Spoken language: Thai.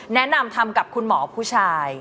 แนะนำทำกับคุณหมอผู้ชาย